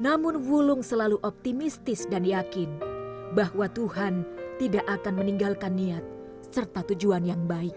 namun wulung selalu optimistis dan yakin bahwa tuhan tidak akan meninggalkan niat serta tujuan yang baik